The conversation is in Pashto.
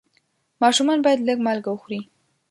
ماشومان باید لږ مالګه وخوري.